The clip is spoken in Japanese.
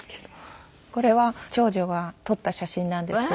これは長女が撮った写真なんですけど。